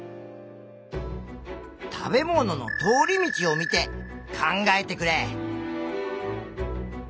食べ物の通り道を見て考えてくれ！